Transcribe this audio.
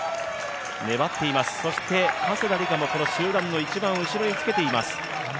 そして加世田梨花もこの集団の一番後ろにつけています。